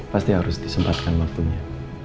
pasti harus disempatkan waktunya